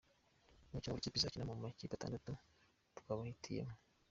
Imikino buri kipe izakina mu makipe atandatu twabahitiyemo.